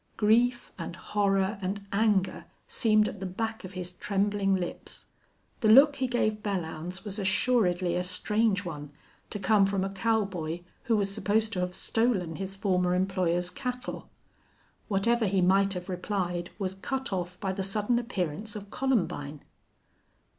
Grief and horror and anger seemed at the back of his trembling lips. The look he gave Belllounds was assuredly a strange one, to come from a cowboy who was supposed to have stolen his former employer's cattle. Whatever he might have replied was cut off by the sudden appearance of Columbine.